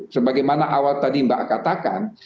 sebagaimana awal tadi mbak katakan